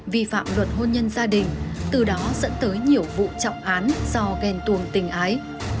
vi phạm luật hôn nhân gia đình từ đó dẫn tới nhiều vụ trọng án do ghen tuồng tình ái